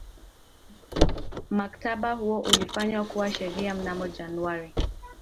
mkataba huo ulifanywa kuwa sheria mnamo januari